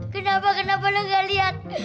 kenapa kenapa lo gak lihat